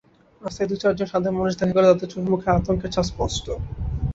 রাস্তায় দু-চারজন সাধারণ মানুষ দেখা গেলেও তাঁদের চোখেমুখে আতঙ্কের ছাপ স্পষ্ট।